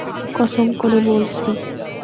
কসম করে বলছি।